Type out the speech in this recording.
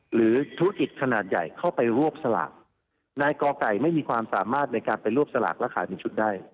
หรือธุรกิจขนาดใหญ่เข้าไปรวบสลากนายกอไก่ไม่มีความสามารถในการไปรวบสลากและขายเป็นชุดได้